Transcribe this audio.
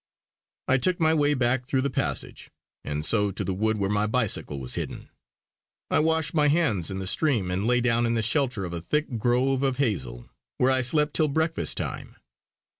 I took my way back through the passage; and so to the wood where my bicycle was hidden. I washed my hands in the stream and lay down in the shelter of a thick grove of hazel, where I slept till breakfast time.